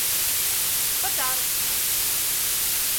Пытарышна...